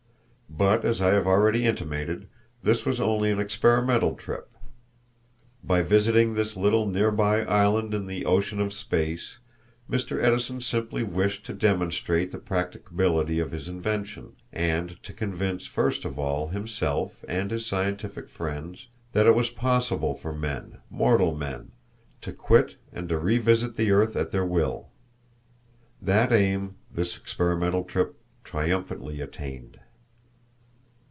But, as I have already intimated, this was only an experimental trip. By visiting this little nearby island in the ocean of space, Mr. Edison simply wished to demonstrate the practicability of his invention, and to convince, first of all, himself and his scientific friends that it was possible for men mortal men to quit and to revisit the earth at their will. That aim this experimental trip triumphantly attained.